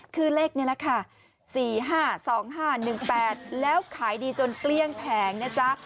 คือเลขนี้แหละค่ะ๔๕๒๕๑๘แล้วขายดีจนเกลี้ยงแผงนะจ๊ะ